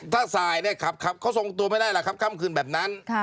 ถ้าสายเนี่ยขับเขาทรงตัวไม่ได้ล่ะครับค่ำคืนแบบนั้น